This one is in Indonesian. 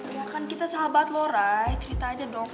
ya kan kita sahabat loh ray cerita aja dong